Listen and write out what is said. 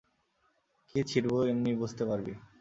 কী ছিড়বো এমনিই বুঝতে পারবি!